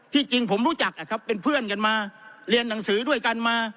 จริงผมรู้จักเป็นเพื่อนกันมาเรียนหนังสือด้วยกันมา